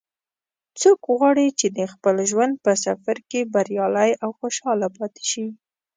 څوک غواړي چې د خپل ژوند په سفر کې بریالی او خوشحاله پاتې شي